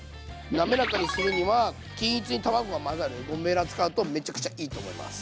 なめらかにするには均一に卵が混ざるゴムベラ使うとめちゃくちゃいいと思います。